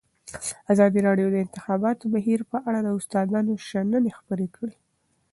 ازادي راډیو د د انتخاباتو بهیر په اړه د استادانو شننې خپرې کړي.